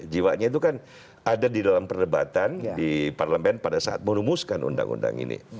jiwanya itu kan ada di dalam perdebatan di parlemen pada saat merumuskan undang undang ini